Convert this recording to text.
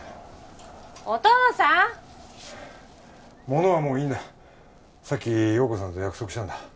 物はもういいんださっき陽子さんと約束したんだ